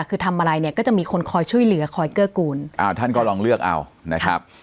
คือทำอะไรเนี่ยก็จะมีคนคอยช่วยเหลือคอยเกื้อกูลอ่าท่านก็ลองเลือกเอานะครับ